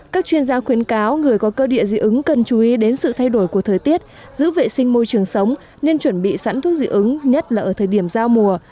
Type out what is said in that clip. các chuyên gia khuyến cáo người có cơ địa dị ứng cần chú ý đến sự thay đổi của thời tiết giữ vệ sinh môi trường sống nên chuẩn bị sẵn thuốc dị ứng nhất là ở thời điểm giao mùa